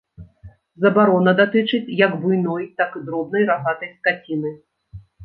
Забарона датычыць як буйной, так і дробнай рагатай скаціны.